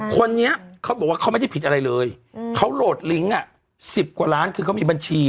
คนนี้เขาบอกว่าเขาไม่ได้ผิดอะไรเลยเขาโหลดลิงก์๑๐กว่าล้านคือเขามีบัญชี